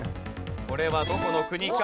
これはどこの国か？